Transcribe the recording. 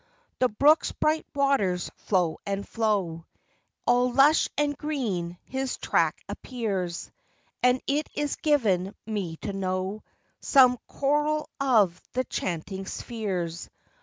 The brook's bright waters flow and flow ; All lush and green his track appears ; And it is given me to know Some choral of the chanting spheres.